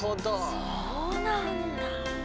そうなんだ。